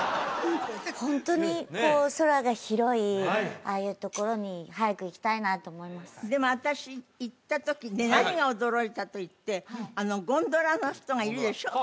ホントにこう空が広いああいうところに早く行きたいなと思いますでも私行った時ね何が驚いたといってゴンドラの人がいるでしょ？